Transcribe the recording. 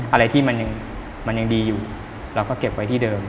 อะไรที่มันยังดีอยู่เราก็เก็บไว้ที่เดิม